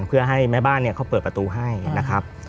เพื่อให้แม่บ้านเขาเปิดประตูให้นะครับ